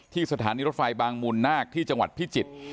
สถานีรถไฟบางมูลนาคที่จังหวัดพิจิตร